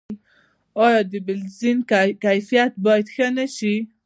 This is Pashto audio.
آیا د بنزین کیفیت باید ښه نشي؟